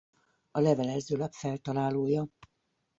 A levelezőlap feltalálója.